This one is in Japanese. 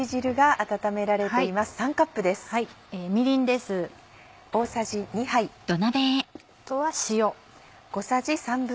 あとは塩。